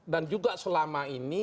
dan juga selama ini